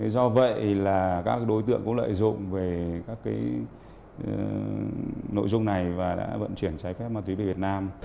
do vậy là các đối tượng cũng lợi dụng về các nội dung này và đã vận chuyển trái phép ma túy về việt nam